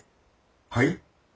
はい？